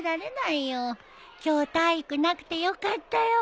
今日体育なくてよかったよ。